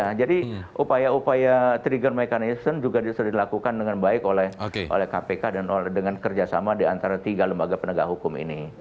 nah jadi upaya upaya trigger mechanism juga sudah dilakukan dengan baik oleh kpk dan dengan kerjasama di antara tiga lembaga penegak hukum ini